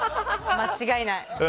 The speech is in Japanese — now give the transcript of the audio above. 間違いない。